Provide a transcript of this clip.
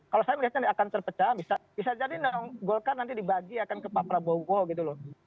kalau saya melihatnya akan terpecah bisa jadi golkar nanti dibagi akan ke pak prabowo gitu loh